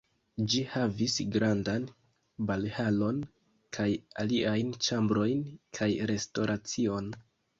Ĝi havis grandan balhalon kaj aliajn ĉambrojn kaj restoracion.